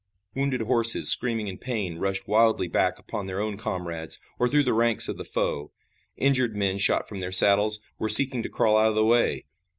Wounded horses screaming in pain rushed wildly back upon their own comrades or through the ranks of the foe. Injured men, shot from their saddles, were seeking to crawl out of the way.